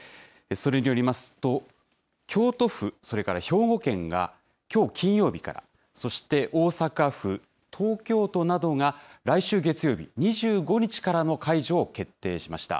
それによりますと、京都府、それから兵庫県がきょう金曜日から、そして大阪府、東京都などが来週月曜日２５日からの解除を決定しました。